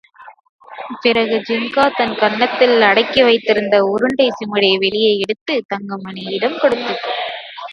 பிறகு, ஜின்கா தன் கன்னத்தில் அடக்கிவைத்திருந்த உருண்டைச் சிமிழை வெளியே எடுத்து, தங்கமணியிடம் கொடுத்தது.